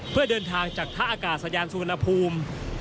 เพื่อเดินทางจากทะอากาศสะยานสุนภูมิ